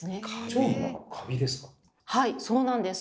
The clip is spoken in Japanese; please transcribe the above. はいそうなんです。